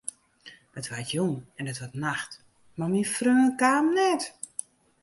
It waard jûn en it waard nacht, mar myn freon kaam net.